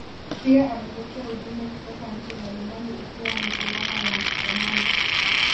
Pia amepokea ujumbe kutoka nchi mbalimbali ikiwa ni alama ya mshikamano